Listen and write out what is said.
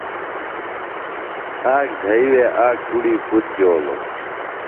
آک زھئی وے آک کُڑی پُتر جولوۡ۔